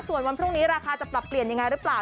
ส่วนวันพรุ่งนี้ราคาจะปรับเปลี่ยนยังไงหรือเปล่า